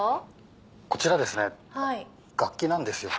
こちら楽器なんですよ。